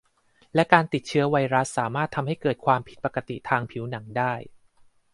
และการติดเชื้อไวรัสสามารถทำให้เกิดความผิดปกติทางผิวหนังได้